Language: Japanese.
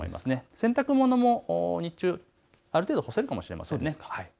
洗濯物も日中、ある程度干せるかもしれません。